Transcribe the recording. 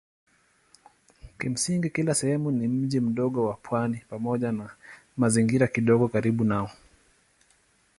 Kimsingi kila sehemu ni mji mdogo wa pwani pamoja na mazingira kidogo karibu nao.